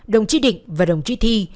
đồng chí định và đồng chí thi